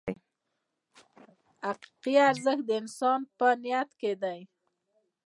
حقیقي ارزښت د انسان په نیت کې دی.